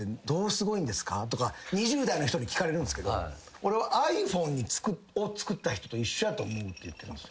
２０代の人に聞かれるんすけど俺はｉＰｈｏｎｅを作った人と一緒やと思うって言ってます。